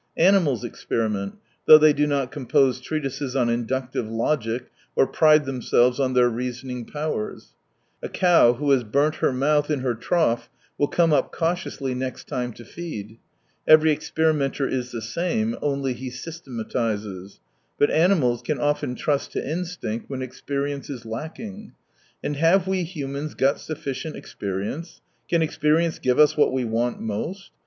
Animals experiment, though they do not compose treatises on inductive logic or pride themselves on their reasoning powers. A cow who has burnt her mouth in her trough will come up cautiously next time to feed. Every experimenter is the same — only he systematises. But animals can often trust to instinct when experience is lacking. And have we humans got sufficient experience ? Can experience give us what we want most